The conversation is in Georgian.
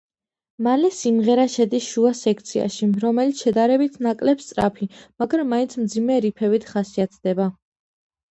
მალე სიმღერა შედის შუა სექციაში, რომელიც შედარებით ნაკლებ სწრაფი, მაგრამ მაინც მძიმე რიფებით ხასიათდება.